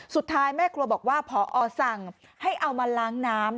แม่ครัวบอกว่าพอสั่งให้เอามาล้างน้ำ